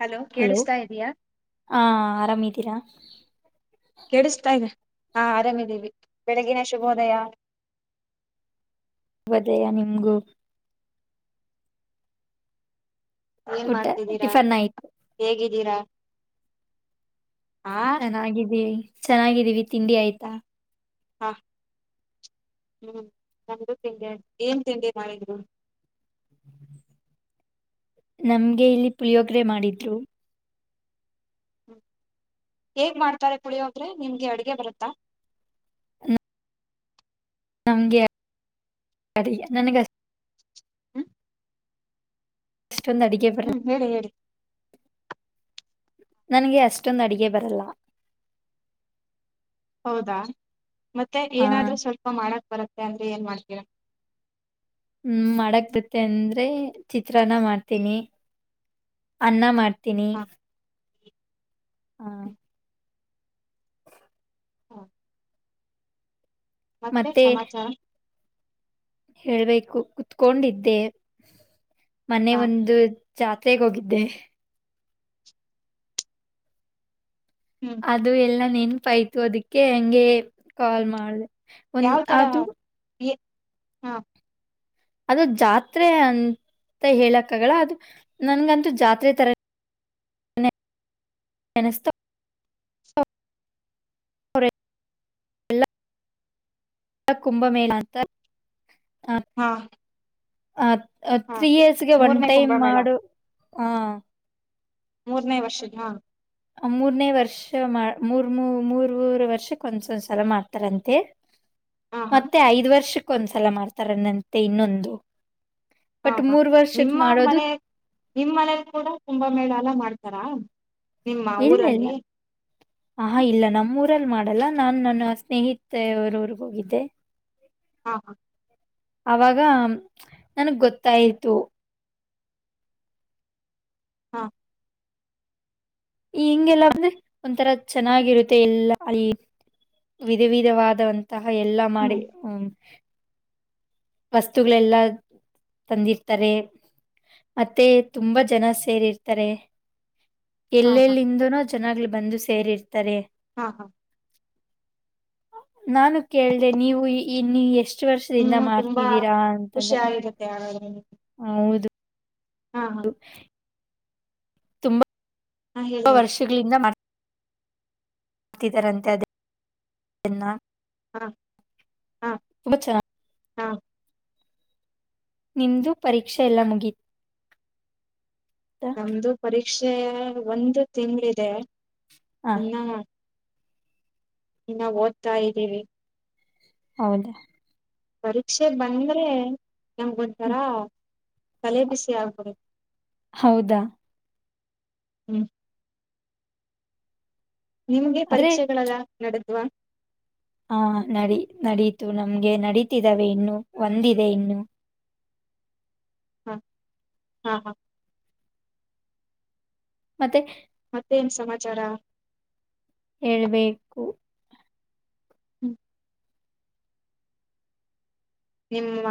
Hello ಕೇಳಿಸತಾ ಇದಯಾ. ಹಾ ಆರಾಮಿದ್ದೀರಾ ಕೆೇಳಿಸ್ತಾ ಇದೆ. ಹಾ ಆರಾಮಿದೀವಿ ಬೆಳಗಿನ ಶುಭೋದಯ. ವದಯ ನಿಮಗು. ಏನ್ ಊಟ ಮಾಡ್ತಿದ್ದೀರಾ ಟಿಫನ್ ಆಯ್ತು ಹೇಗಿದ್ದೀರಾ. ಆ ಚೆನ್ನಾಗಿದ್ದೀ ಚೆನ್ನಾಗಿದ್ದೀವಿ ತಿಂಡಿ ಆಯ್ತಾ. ಹಾ. ಹ್ಮ್ ನ್ದು ತಿಂಡಿ ಏನ್ ತಿಂಡಿ ನಮ್ಗೆ ಇಲ್ಲಿ ಪುಳಿ--ಗರೆ ಮಾಡಿದ್ರು ಹ್ಮ ಹೇಗ್ ಮಾಡ್ತಾರೆ ಪಳಿ ನಿಮ್ಗೆ ಅಡ್ಗೆ ಬರುತ್ತಾ ನ- ನಮ್ಗೆ ಅಡಿಗೆ ನನಗೆ ಹ್ಮ. ಅಷ್ಟೊಂದು ಅಡಿಗೆ ಬರಲ್ಲ ಹೇಳಿ ಹೇಳಿ ನನ್ಗೆ ಅಷ್ಟೊಂದು ಅಡಿಗೆ ಬರಲ್ಲ. ಹೌದಾ ಮತ್ತೆ ಆ ಏನಾದ್ರೂ ಸ್ವಲ್ಪ ಮಾಡಕ್ ಬರತ್ತೆ ಅಂದ್ರೆ ಏನ್ ಮಾಡ್ತೀರಾ. ಹ್ಮ್ ಮಾಡಕ್ದತ್ತ ಅಂದ್ರೆ ಚಿತ್ರಾನ ಮಾಡ್ತೀನಿ. ಅನ್ನ ಮಾಡ್ತೀನಿ. ಹ ಹಾ. ಹ್ಮ. ಮತ್ತೆ ಸಮಾಚಾರ. ಹೇಳ್ಬೇಕು ಕುತ್ಕೊಂಡಿದ್ದೆ ಮನೆ ಹ ಒಂದು. ಜಾತ್ರೆಗೆ ಹೋಗಿದ್ದೆ. ಹ್ಮ್ ಅದು ಎಲ್ಲ ನ ಅದಕ್ಕೆ ಹಂಗೆ ಕಾಲ್ ಮಾಡಿದೆ ಯಾವ ತರ ಹಾ. ಅದು ಜಾತ್ರೆ ಅಂತ ಹೇಳಕ್ಕಗಲ್ಲ ಅದು ನನ್ಗಂತೂ ಜಾತ್ರೆ ತರ. ಅನಿಸ್ತಾ ಅವರೆಲ್ಲ ಕುಂಭಮೇಳ ಅಂತ ಹಾ ಆ ಹಾ ತ್ರೀ ಇಯರ್ಸ್ಗೆ ಒನ್ ಮೂರನೇ ಟೈಮ್ ಕುಂಭಮೇಳ ಮಾಡು ಹ ಮೂರನೇ ವರ್ಷದ ಹಾ ಮೂರ್ನೇ ವರ್ಷ ಮೂರ್ ಮೂ ಮೂರ್ ಮೂರು ವರ್ಷಕ್ ಒಂದಸೊ ಒಂದ್ಸಲ ಮಾಡ್ತಾರಂತೆ ಹಾ ಹಾ ಮತ್ತೆ ಐದ ವರ್ಷಕ್ಕೊಂದ್ಸಲ ಮಾಡ್ತಾರನ್ನಂತೆ ಇನ್ನೊಂದು ಹಾ ಬಟ್ ಹಾ ಮೂರ್ ವರ್ಷಕ್ ನಿಮ್ಮ ಮಾಡೋದು ಮನೆ ನಿಮ್ಮ ಮನಲಿ ಕೂಡ ತುಂಬಾ ಮೇಳ ಎಲ್ಲ ಮಾಡ್ತಾರಾ ನಿಮ್ಮ ಇಲ್ಲ ಇಲ್ಲ ಊರಲ್ಲಿ? ಆ ಇಲ್ಲ ನಮ್ಮೂರು ಲ್ಲಿ ಮಾಡಲ್ಲ ನಾನ್ ನನ್ನ ಸ್ನೇಹಿತವರವ್ರಗ ಹೋಗಿದ್ದೆ ಹಾ ಹಾ ಅವಾಗ ನನ್ಗ್ ಗೊತ್ತಾಯತು ಹಾ ಈ ಹಿಂಗೆಲ್ಲ ಅಂದ್ರೆ ಒಂಥರ ಚೆನ್ನಾಗಿರುತ್ತೆ ಎಲ್ಲಾ ವಿಧ ವಿಧವಾದಂತಹ ಎಲ್ಲಾ ಮಾಡಿ ಹ್ಮ್ ಹ್ಮ ವಸ್ತುಗಳೆಲ್ಲ ತಂದಿರ್ತಾರೆ ಮತ್ತೆ ತುಂಬಾ ಜನ ಸೇರಿರ್ತಾರೆ ಹಾ ಹಾ ಎಲ್ಲೆಲ್ಲಿಂದನೋ ಚನಾಗ್ಲಿ ಬಂದು ಸೇರಿರ್ತಾರೆ ಹಾ ಹಾ ನಾನು ಕೇಳ್ದೆ ನೀವು ಇನ್ನು ಎಷ್ಟು ವರ್ಷದಿಂದ ಇನ್ನು ಮಾಡ್ತೀ ತುಂಬಾ ದ್ದೀರಾ ಅಂತಂದೆ ಖುಷಿಯಾಗಿರುತ್ತೆ ಹಾಗಾದ್ರೆ ನಿಮ್ಗೆ ಹೌದು ಹಾ ಹಾ ಹೌದು ಹಾ ಹೇಳಿ ಹ ಹೇಳಿ ವರ್ಷಗಳಿಂದ ಅತಿ ತರಂತೆ ಅದನ್ನ ಹಾ ಹಾ ಉಪಚಾರ ಹಾ ನಿಮ್ದೂ ಪರೀಕ್ಷೆ ಎಲ್ಲ ಮುಗೀತ್ ನಮ್ದು ಪರೀಕ್ಷೆ ಒಂದು ತಿಂಳಿದೆ ಹ ಇನ್ನು ಇನ್ನಾ ಓದ್ತಾ ಇದ್ದೀವಿ ಹೌದಾ ಪರೀಕ್ಷೆ ಬಂದ್ರೆ ಹ್ಮ್ ನಂಗತಾರಾ ತಲೆಬಿಸಿ ಆಗ್ಬುದು ಹೌದಾ ಹ್ಮ್ ನಿಮ್ಗೆ ಪರೀಕ್ಷೆಗಳಲ್ಲ ನಡೆದ್ವಾ ಹ ನಡಿ ನಡೀತು ನಮ್ಗೆ ನಡೀತಿದವೇ ಇನ್ನು ಒಂದಿದೆ ಇನ್ನು ಹಾ ಹಾ ಹಾ ಮತ್ತೆ ಮತ್ತೇನ್ ಸಮಾಚಾರ ಹೇಳ್ಬೇಕು ಹ್ಮ್ ನಿಮ್ಮ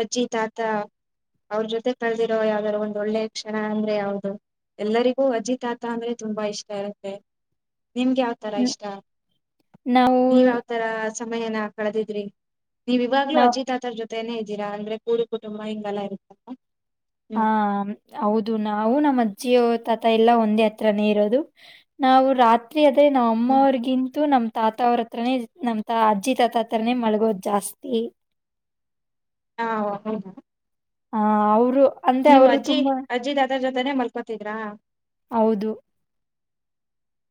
ಅಜ್ಜಿ ತಾತ ಅವ್ರ ಜೊತೆ ಕಳದಿರೋ ಯಾವ್ದಾರರು ಒಂದ್ ಒಳ್ಳೆ ಕ್ಷಣ ಅಂದ್ರೆ ಯಾವ್ದು ಎಲ್ಲರಿಗೂ ಅಜಿತಾತ ಅಂದ್ರೆ ತುಂಬಾ ಇಷ್ಟ ಇರುತ್ತೆ ನಿಮ್ಗೆ ಯಾವತರ ನ- ಇಷ್ಟ ನಾವು ನೀವ ಯಾವತರ ಸಮಯನ ಕಳೆದಿದ್ರಿ ನೀವ್ವಾಗ್ಲೂ ನಾವ್ ಅಜಿತತರ ಜೊತೇನೇ ಇದ್ದೀರಾ ಅಂದ್ರೆ ಕೂಡಕುಟುಂಬ ಹಿಂಗಲ್ಲ ಇರುತ್ತಲ್ ಹಾ ಹೌದು ನಾವು ನಮ್ಮದ ಜಿಯೋ ತಾತ ಎಲ್ಲ ಒಂದೇ ಹತ್ರನೇ ಇರೋದು ನಾವು ರಾತ್ರಿ ಅದೆ ನಾಮ್ಮ ಹ್ಮ್ ಅವ್ರಿಗಿಂತೂ ನಮ್ ತಾತ ಅವ್ರ ಹತ್ರನೇ ನಮ್ ತಾ ಅಜ್ಜಿ ತಾತ ಹತ್ರನೇ ಮಲ್ಗೋದ್ ಜಾಸ್ತಿ ಹಾ ಹ ಹಾ ಹಾ ಅವರು ಅಂದೆ ಅವರು ತುಂಬಾ ಅಜ್ಜಿ ಜೊತೆನೆ ಮಲ್ಕೊತಿದ್ರಾ ಹೌದು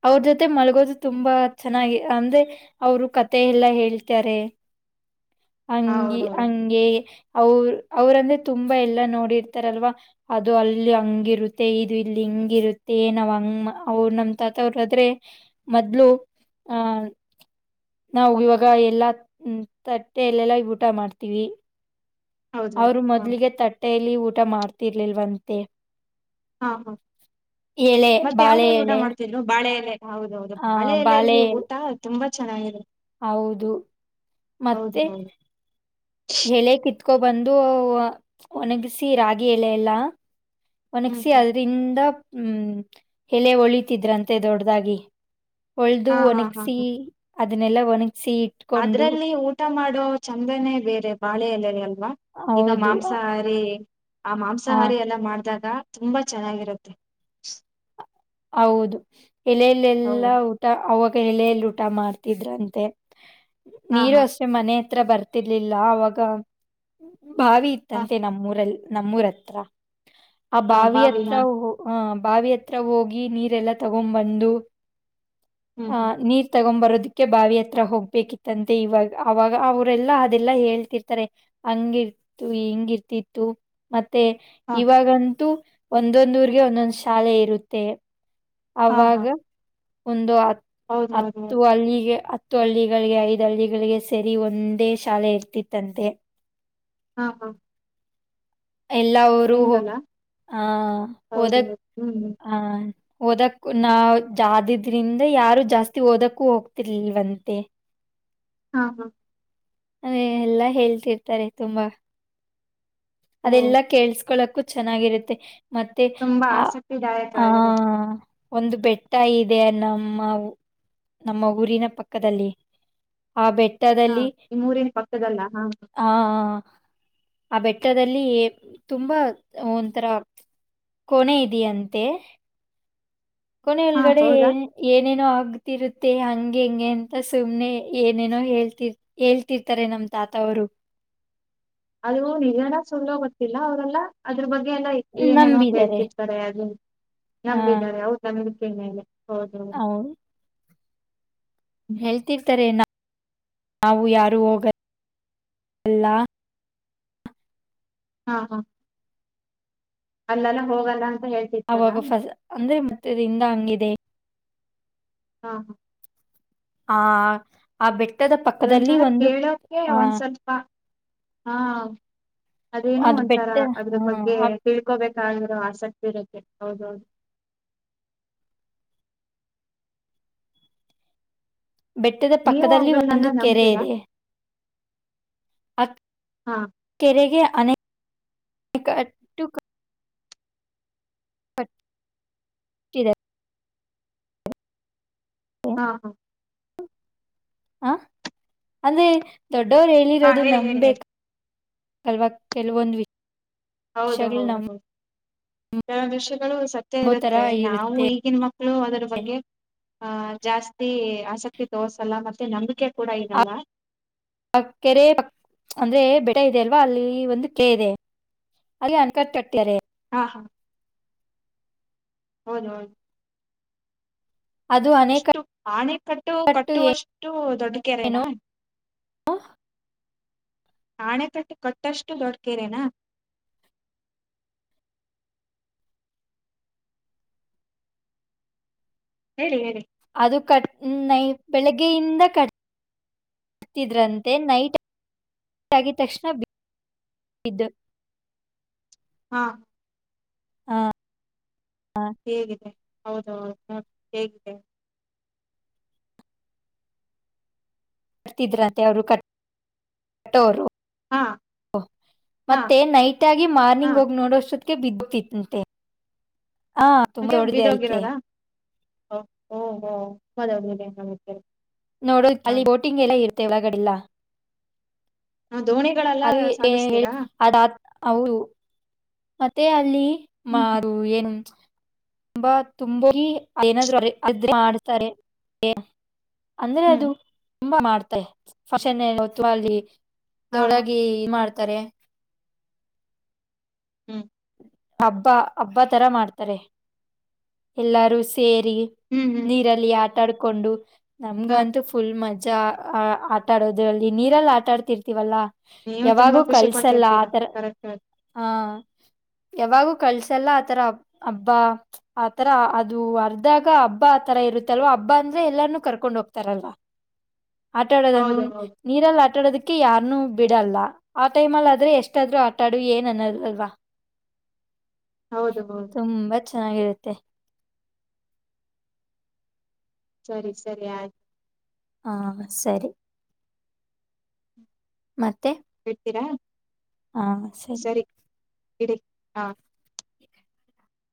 ಅವ್ರ ಜೊತೆ ಮಲ್ಗೋದು ತುಂಬಾ ಚೆನ್ನಾಗಿ ಅಂದ್ರೆ ಅವರು ಕತೆ ಎಲ್ಲಾ ಹೇಳ್ತಾರೆ ಹಂಗಗೆ ಹೌದೌದು ಹಂಗಗೆ ಅವ ಅವ್ರಂದ್ರೆ ತುಂಬಾ ಎಲ್ಲಾ ನೋಡಿರ್ತಾರಲ್ವಾ ಅದು ಅಲ್ಲಿ ಹಂಗಿರುತ್ತೆ ಇದು ಇಲ್ಲಿ ಹಂಗ ಇರುತ್ತೆ ನಾವ್ಂಗ ಅವ್ ನಮ ತತವ್ರಾದ್ರೆ ಮೊದ್ಲು ಆಹ ನಾವು ಇವಾಗ ಎಲ್ಲಾ ತಟ್ಟೆಯಲ್ಲೆಲ್ಲಾ ಊಟ ಮಾಡ್ತೀವಿ ಹೌದು ಅವರು ಹ ಮೊದ್ಲಿಗೆ ತಟ್ಟೆಯಲ್ಲಿ ಊಟ ಮಾಡ್ತಿರ್ಲಿಲ್ವಂತೆ ಹಾ ಹಾ ಎಲೆ ಮತ್ತೆ ಬಾಳೆ ಯಾವುದರಲ್ಲಿ ಊಟ ಎಲೆ ಮಾಡ್ತೀವಿ ಬಾಳೆ ಎಲೆ ಹೌದೌದು ಆ, ಬಾಳೆ ಎಲೆಯಲ್ಲಿ ಎಲೆ ಊಟ ತುಂಬಾ ಚೆನ್ನಾಗಿರು ಹೌದು ಹೌದು ಮತ್ತೆ ಹೌದು ಕೊ ಬಂದು ಒಣಗಿಸಿ ರಾಗಿ ಎಲೆ ಎಲ್ಲಾ ಹ್ಮ್ ಒನಗಸಿ ಹ್ಮ್ ಅದ್ರಂದ ಹ್ಮ್ ಎಲೆ ಒಳಿತಿದ್ರಂತೆ ದೊಡ್ಡದಾಗಿ ಒಳ್ದ ಹಾ ಹಾ ಹಾ ಒಣಗಸಿ ಅದನ್ನೆಲ್ಲಾ ಒಣಗ್ ಅದ್ರಲ್ಲಿ ಊಟ ಮಾಡಿ ಹಾದು ಚಂದನೇ ಬೇರೆ ಬಾಳೆ ಎಲ್ಲೆ ಅಲ್ವಾ ಈಗ ಹೌದು ಮಾಂಸಾಹಾರಿ ಆ ಹ ಮಾಂಸಾಹಾರಿ ಎಲ್ಲ ಮಾಡಿದಾಗ ತುಂಬಾ ಚೆನ್ನಾಗಿರುತ್ತೆ ಹೌದು ಹೌದು ಎಲಲ್ಲೆಲ್ಲಾ ಊಟ ಅವ ಎಲೆಯಲ್ಲಿ ಊಟ ಮಾಡ್ತಿದ್ರಂತೆ ಹಾ ನೀರು ಹಾ ಅಷ್ಟೆ ಮನೆ ಹತ್ರ ಬರ್ತಿರ್ಲಿಲ್ಲ ಅವಾಗ ಬಾವಿ ಹ ಇತ್ತಂತೆ ನಮ್ಮೂಊರಲ್ಲಿ ನಮ್ಮೂರ ಹತ್ರ ಆ ಹಾ ಬಾವಿ ಹತ್ರ ಹಾ ಬಾವಿ ಹತ್ರ ಹೋಗ ನೀರೆಲ್ಲ ತಗೊಬಂದು ಹ್ಮ್ ಹ್ಮ್ ನೀರ್ ತಗೊಂಡ್ ಬರು ದ ಬಾವಿ ಹತ್ರ ಹೋಗ್ಬೇಕಿತ್ತಂತೆ ಇವಾಗ ಅವಾಗ ಅವರೆಲ್ಲಾ ಅದೆಲ್ಲಾ ಹೇಳ್ತಿರ್ತಾರೆ ಹ ಹಿಂಗ ಇರ್ತಿತ್ತು ಮತ್ತೆ ಹಾ ಇವಾಗಂತೂ ಒಂದೊಂದ್ ಊರ್ಗೆ ಒಂದೊಂದ್ ಶಾಲೆ ಇರುತ್ತೆ ಹಾ ಹಾ ಅವಾಗ ಒಂದು ಹತ್ ಹೌದು ಹೌದು ಹತ್ತು ಹೌದು ಹಲ್ಲಿಗೆ ಹ ಹತ್ತು ಹಳ್ಳಿಗಳಿಗೆ ಐದು ಹಳ್ಳಿಗಳಿಗೆ ಸೇರಿ ಒಂದೇ ಶಾಲೆ ಇರ್ತಿತ್ತಂತೆ ಹಾ ಹಾ ಎಲ್ಲ ಅವರುೂ ಹೆಂಗಲ್ಲ ಆಹ ಹೌದು ಹೋದಕ್ ಹೌದು ಹ್ಮ್ ಹ್ಮ್ ಆ ಓದಕ್ ನಾವಿದ್ರಿಂದ ಯಾರು ಜಾಸ್ತಿ ಓದಕ್ಕೂ ಹೋಗ್ತಿರ್ಲಿಲ್ವಂತೆ [inaudible] ಹಾ ಹಾ ಅದೇ ಎಲ್ಲಾ ಹೇಳ್ತಿರ್ತಾರೆ ತುಂಬಾ ಓ ಅದೆಲ್ಲಾ ಕೇಳ್ಸ್ಕೊಳಕ್ಕು ಚೆನ್ನಾಗಿರುತ್ತೆ ಮತ್ತೆ ತುಂಬಾ ಆ ಆಸಕ್ತಿದಾಯಕ ಹ ಆಗಿರುತ್ತೆ ಒಂದು ಬೆಟ್ಟ ಇದೆ ನಮ್ಮ ಊರಿನ ಪಕ್ಕದಲ್ಲಿ ಆ ಹಾ ಬೆಟ್ಟದಲ್ಲಿ ನಿಮ್ಮೂರಿನ ಪಕ್ಕದಲ್ಲ ಹಾ ಆ ಆ ಬೆಟ್ಟ ಹುತ್ತದಲ್ಲಿ ತುಂಬಾ ಒಂಥರಾ ಕೊಣೆ ಇದೆಯಂತೆ ಕೊನೆ ಹಾ ಒಳಗಡೆ ಹೌದಾ ಏನೇನು ಆಗ ಆಗ್ತಿರುತ್ತೆ ಹಂಗೆ ಹಿಂಗೆ ಅಂತ ಸುಮ್ನೆ ಏನೇನೋ ಹೇಳ್ತಿರ್ ಹೇಳ್ತಿರ್ತಾರೆ ನಮ್ ತಾತ [unintelligible] ಅದು ನಿಜನ ಸುಲ್ಲೋ ಗೊತ್ತಿಲ್ಲ ಅವ್ರಲ್ಲಾ ಅದ್ರ ಬಗ್ಗೆ ಗೆಲ್ಲ ಏನೇನೋ ನಂಬಿದರೆ ಹೇಳ್ತಿರ್ತಾರೆ ಅದ ಹ ನಂಬಿದ್ದಾರೆ ಹೌದ ನಂಬಿಕೆ ಮೇಲೆ ಹೋದ್ರು ಹೇಳ್ತಿರ್ತಾರೆಏನ ನಾವು ಯಾರು ಹೋಗಲ್ಲ ಹಾ ಹಾ ಅಲ್ಲಲ್ಲ ಹೋಗಲ್ಲ ಹೇಳ್ತಿರ್ತಾರ ಆವಾಗ ಫಸ್ ಅಂದ್ರೆ ಮತ್ತರಿದ ಹಂಗಿದೆ ಹಾ ಹಾ ಹಾ ಆ ಬೆಟ್ಟ ಅದೊಂದಂತರ ಕೇಳೋಕೆ ಒಂದ್ ಸ್ವಲ್ಪಾ ಹಾ ಅದೇನು ಅದು ಒಂಥರ ಬೆಟ್ಟ ಅದ್ರ ಹ್ಮ್ ಬಗ್ಗೆ ಆ ತಿಳ್ಕೋಬೇಕಾಗ ಆಸಕ್ತಿ ಬೇಕ್ಕೆೆ ಹೌದೌದು ಬೆಟ್ಟದ ನೀವು ಪಕ್ಕದಲ್ಲಿ ಅವುಗಳನ್ನೆಲ್ಲ ಒಂದು ಕೆರೆ ನಂಬ್ತೀರಾ ಇದೆ ಅ ಹಾ ಕೆರೆಗೆ ಆಟ್ಟು [unintelligible] ಹಾ ಹಾ ಹ ಅಂದ್ರೆ ದೊಡ್ಡವರು ಹಾ ಹೇಳಿರೋದು ಹೇಳಿ ಹೇಳಿ ಹೇಳಿ ನಂಬೇಕಾ ಅಲ್ವಾ ಕೆಲವೊಂದ್ವಿ ಹೌದು ಹೌದು ಹೌದು ಕೆಲ ವಿಷಯಗಳು ಸತ್ಯ ತರ ಇರುತ್ತೆ ನಾವು ಇರುತ್ತೆ ಈಗಿನ ಮಕ್ಕಳ ಹಂ ಅದರ ಬಗ್ಗೆ ಆಹ ಜಾಸ್ತಿ ಆಸಕ್ತಿ ತೋರ್ಸಲ್ಲ ಮತ್ತೆ ನಂಬಿಕೆ ಕೂಡ ಆ ಇರಲ್ಲ ಕೆರೆ ಪಕ್ ಅಂದ್ರೆ ಬೆಟ್ಟ ಇದೆ ಅಲ್ವಾ ಅಲ್ಲಿ ಒಂದು ಕೆರೆ ಇದೆ ಅಲ್ಲಿ ಅನ್ಕ ಕಟ್ಟಾರೆ ಹಾ ಹಾ ಹೌದ ಹೌದು ಅದು ಅಷ್ಟು ಅಣೆಕಟ್ಟು ಪಾಣಿ ಕಟ್ಟು ಕಟ್ಟುವಷ್ಟು ದೊಡ್ಡ ಏನೋ ಕೆರೆನಾ [unintelligible] ಆಣೆಕಟ್ಟು ಕಟ್ಟಷ್ಟು ದೊಡ್ಕೆರೆನಾ ಹೇಳಿ ಹೇಳಿ ಅದು ಕ ನೈ ಬೆಳಿಗ್ಗೆಯಿಂದ ಕಟ್ ಹತಿದ್ರಂತೆ ನೈಟ್ ಆಗಿ ತಕ್ಷಣ ಇದು ಹಾ ಹ ಹೇಗಿದೆ ಹೌದೌದು ನ ಹೇಗಿದೆ ಕಟ್ತಿದ್ರ ಅಂತೆ ಅವರು ಕ ಕಟ್ಟೋರು ಹಾ ಓ ಹಾ ಮತ್ತೆ ನೈಟ್ ಆಗಿ ಹಾ ಮಾರ್ನಿಂಗ್ ಹೋಗಿ ನೋಡೋಷ್ಟ ಹೋಗ ಬಿದ್ದಿಂತೆ ಹ ತುಂಬ ಹೊಡಿದೆ ಆಯ್ಕೆ ಹ ಹೊ [unintelligible] ನೋಡು ಅಲ್ಲಿ ಬೋಟಿಂಗ್ ಎಲ್ಲ ಇರುತ್ತೆ ಒಳಗಡಿಲ್ಲ ಹ ದೋಣಿಗಳೆಲ್ಲ ಸಾಗಿಸ್ತೀರಾ [unintelligible] ಮತ್ತೆ ಅಲ್ಲಿ ಹ್ಮ್ ಮಾರು ಏನು ತುಂಬಾ ತುಂಬ ಏನಾದೂ ಮಾಡ್ತಾರೆ ಅಂದ್ರೆ ಹ್ಮ್ ಅದು ತುಂಬಾ ಮಾಡ್ತ ಹೊತ್ತು ಹಾ ಹಾ ದೊಳಗ ಮಾಡ್ತಾರೆ ಹ್ಮ್ ಹಬ್ಬ ಹಬ್ಬ ತರ ಮಾಡ್ತಾರೆ ಎಲ್ಲಾರು ಸೇರಿ. ಹ್ಮ್ ಹ್ಮ್ ನೀರಲ್ಲಿ ಆಟ ಆಡ್ಕೊಂಡು ಹಾ ನಮಗಂತು ಫುಲ್ ಮಜಾ. ಆ ಆಟಾಡೋದು ಅಲ್ಲಿ ನೀರೆಲ್ಲ ಆಟ ಆಡ್ತಿರ್ತೀವಲ್ಲಾ ನೀವು ತುಂಬಾ ಯಾವಾಗೂ ಖುಷಿ ಕಲ್ಸಲ್ಲ ಪಟ್ಟಿರ್ತೀರಾ ಆತರ ಕರೆಕ್ಟ್ ಕರೆಕ್ಟ್. ಹಾ ಯಾವಾಗೂ ಕಳ್ಸಲ್ಲ ಆತರ ಹಬ್ಬ ಆತರ ಅದು ಅರ್ಧಾಗ ಹಬ್ಬ ಆತರ ಇತ್ತಲ್ವಾ ಹಬ್ಬ ಅಂದ್ರೆ ಎಲ್ಲಾರ್ನೂ ಕರ್ಕೊಂಡ್ ಹೋಗ್ತಾರಲ್ವಾ ಆಟಾಡೋದ ಹೌದು ಹೌದು ನೀರಲ್ಲಿ ಆಟಾಡೋದಕ್ಕೆ ಯಾರ್ನುೂ ಬಿಡಲ್ಲ ಆ ಟೈಮ್ ಅಲ್ ಆದ್ರೆ ಎಷ್ಟಾದ್ೂ ಆಟಾಡು ಏನ್ ಅನ್ನೋದಲ್ವಾ ಹೌದು ಹೌದು ತುಂಬಾ ಚೆನ್ನಾಗಿರತ್ತೆ ಸರಿ ಸರಿ ಆಯ್ತು ಹಾ ಸರಿ ಮತ್ತೆ ಇರ್ತರಾ ಹಾ ಸರಿ. ಹಾ